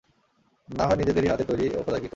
না হয় নিজেদেরই হাতের তৈরি ও খোদাইকৃত।